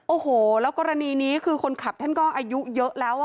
โอ้โหแล้วกรณีนี้คือคนขับท่านก็อายุเยอะแล้ว